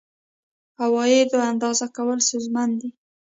عوایدو اندازه کول ستونزمن دي.